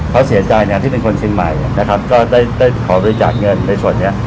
เขาเสียใจที่เป็นคนชิงใหม่ได้ขอบริจาคเงินในส่วนนี้